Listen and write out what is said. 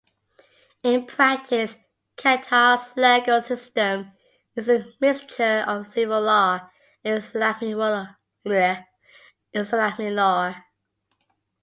In practice, Qatar's legal system is a mixture of civil law and Islamic law.